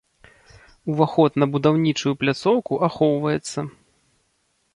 Уваход на будаўнічую пляцоўку ахоўваецца.